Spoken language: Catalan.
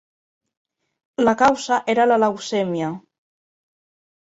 La causa era la leucèmia.